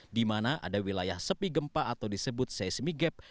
di mana ada wilayah sepi gempa atau disebut seismigap